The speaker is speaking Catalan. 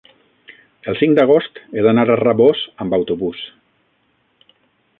el cinc d'agost he d'anar a Rabós amb autobús.